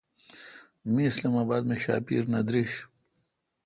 می اسلام اباد مے° شاپیر نہ دریݭ۔